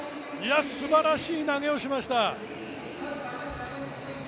すばらしい投げをしました。